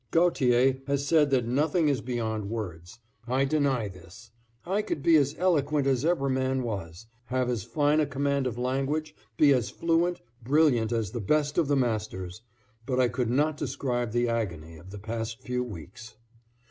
Gautier has said that nothing is beyond words. I deny this I could be as eloquent as ever man was, have as fine a command of language, be as fluent, brilliant as the best of the masters; but I could not describe the agony of the past few weeks.